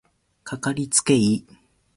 かかりつけ医